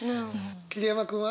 桐山君は？